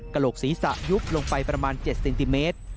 โหลกศีรษะยุบลงไปประมาณ๗เซนติเมตร